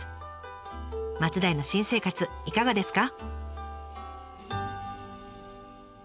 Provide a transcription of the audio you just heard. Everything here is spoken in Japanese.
松代の新生活いかがですか？